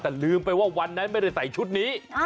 แต่ลืมไปว่าวันนั้นไม่ได้ใส่ชุดนี้